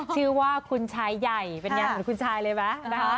ชื่อว่าคุณชายใหญ่เป็นไงเหมือนคุณชายเลยไหมนะคะ